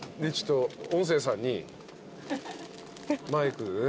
音声さんにマイクでね